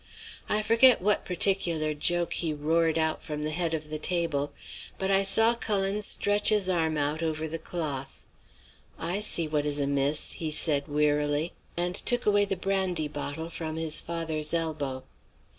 I forget what particular joke he roared out from the head of the table, but I saw Cullen stretch his arm out over the cloth. "'I see what is amiss,' he said, wearily, and took away the brandy bottle from his father's elbow.